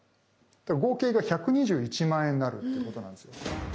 だから合計が１２１万円になるということなんですよ。